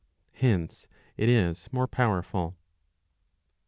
Hence it is more powerful.